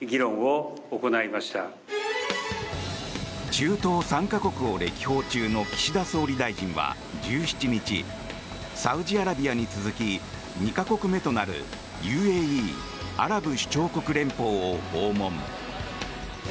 中東３か国を歴訪中の岸田総理大臣は１７日、サウジアラビアに続き２か国目となるＵＡＥ・アラブ首長国連邦を訪問。